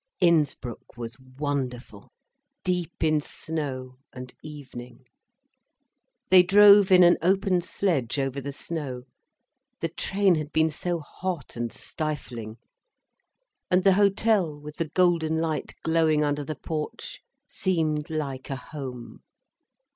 Innsbruck was wonderful, deep in snow, and evening. They drove in an open sledge over the snow: the train had been so hot and stifling. And the hotel, with the golden light glowing under the porch, seemed like a home.